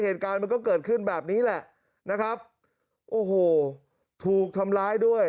เหตุการณ์มันก็เกิดขึ้นแบบนี้แหละนะครับโอ้โหถูกทำร้ายด้วย